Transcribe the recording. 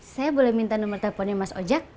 saya boleh minta nomor teleponnya mas ojek